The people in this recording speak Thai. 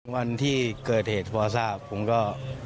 วันที่เกิดเหตุพอทราบผมก็